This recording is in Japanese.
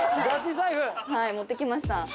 ガチ財布はい持ってきました